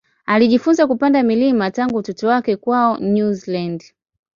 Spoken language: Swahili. Alijifunza kupanda milima tangu utoto wake kwao New Zealand.